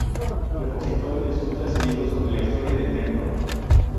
Repositorio de sutras y libros sobre la historia del templo.